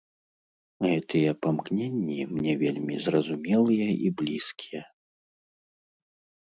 Гэтыя памкненні мне вельмі зразумелыя і блізкія.